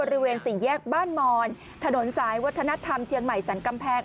บริเวณสี่แยกบ้านมอนถนนสายวัฒนธรรมเชียงใหม่สรรกำแพง